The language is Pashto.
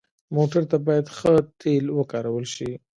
موټر ته باید ښه تیلو وکارول شي.